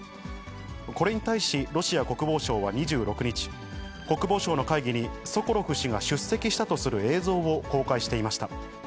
これに対し、ロシア国防省は２６日、国防省の会議にソコロフ氏が出席したとする映像を公開していました。